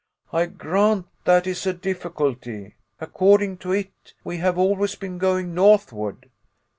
"I grant that is a difficulty. According to it, we have always been going northward."